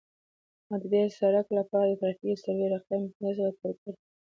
ما د دې سرک لپاره د ترافیکي سروې رقم پنځه سوه اټکل کړی دی